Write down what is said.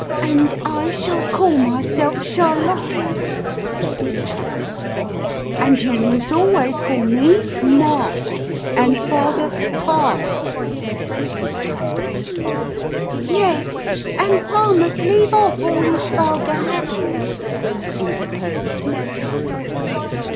' And I shall call myself Charlotta," said Miss Tuggs. ' And you must always call me ' Ma,' and father ' Pa,' " said Mrs. Tuggs. " Yes, and Pa must leave off all his vulgar habits," interposed Miss Tuggs.